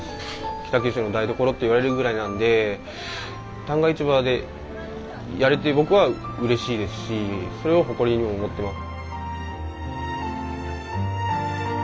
北九州の台所といわれるぐらいなんで旦過市場でやれて僕はうれしいですしそれは誇りに思ってます。